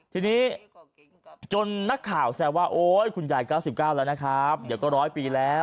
ทีนี้จนนักข่าวแซวว่าโอ๊ยคุณยาย๙๙แล้วนะครับเดี๋ยวก็๑๐๐ปีแล้ว